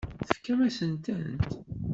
Tefkamt-asen-tent?